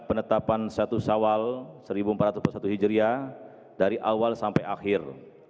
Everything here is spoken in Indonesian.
penetapan satu sawal seribu empat ratus empat puluh satu hijriah dari awal sampai akhir